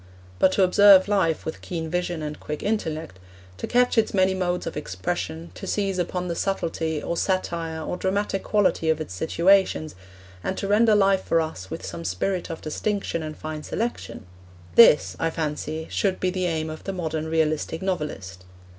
But to observe life with keen vision and quick intellect, to catch its many modes of expression, to seize upon the subtlety, or satire, or dramatic quality of its situations, and to render life for us with some spirit of distinction and fine selection this, I fancy, should be the aim of the modern realistic novelist.